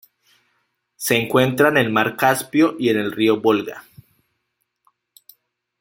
Se encuentra en el mar Caspio y en el río Volga.